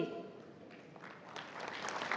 yang kedua adalah